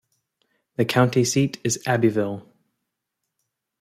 The county seat is Abbeville.